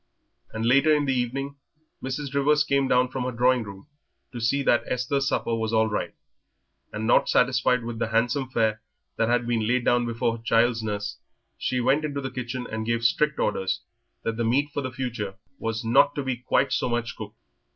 And later in the evening Mrs. Rivers came down from her drawing room to see that Esther's supper was all right, and not satisfied with the handsome fare that had been laid before her child's nurse, she went into the kitchen and gave strict orders that the meat for the future was not to be quite so much cooked.